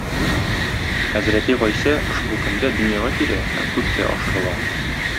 Хәзрәти Гайсә ошбу көндә дөньяга килә һәм күккә ашырыла.